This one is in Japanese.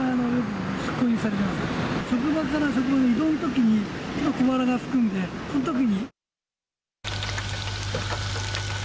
職場から職場の移動のときに、小腹がすくんで、そのときに。